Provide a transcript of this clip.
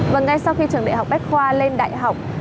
và ngay sau khi trường đại học bách khoa lên đại học